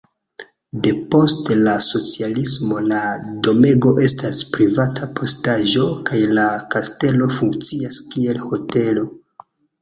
Depost la socialismo la domego estas privata posedaĵo kaj la kastelo funkcias kiel hotelo.